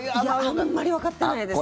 あんまりわかってないですね。